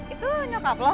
itu nyokap lah